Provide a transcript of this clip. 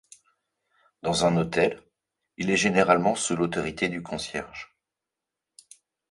Dans un hôtel, il est généralement sous l'autorité du concierge.